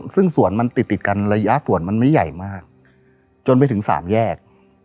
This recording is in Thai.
ซึ่งสวนมันติดติดกันระยะสวนมันไม่ใหญ่มากจนไปถึงสามแยก